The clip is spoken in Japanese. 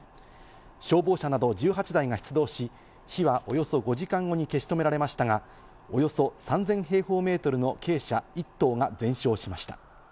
消防車など１８台が出動し、火はおよそ５時間後に消し止められましたが、およそ３０００平方メートルの鶏舎１棟が全焼しました。